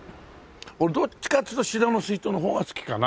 俺どっちかっていうとシナノスイートの方が好きかな。